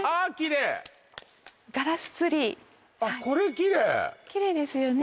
きれいですよね